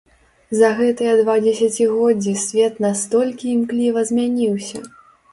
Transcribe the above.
За гэтыя два дзесяцігоддзі свет настолькі імкліва змяніўся!